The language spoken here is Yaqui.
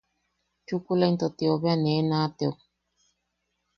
Chukula into tio bea nee naʼateok.